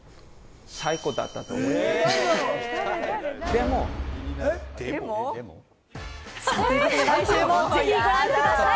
でも？ということで来週もぜひご覧ください。